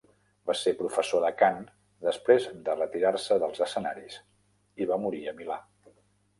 Va ser professor de cant després de retirar-se dels escenaris i va morir a Milà.